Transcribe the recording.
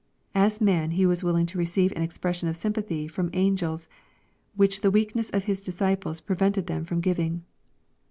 Aa man, He was willing to receive an expression of sympathy fi'om angels, which the weakness of His disciples prevented them from giving.